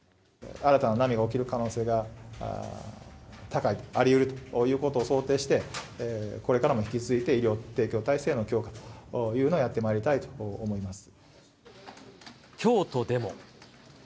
新たな波が起きる可能性が高いと、ありうるということを想定して、これからも引き続いて医療提供体制の強化というのをやってまいり京都でも。